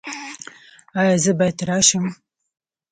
ایا زه باید راشم؟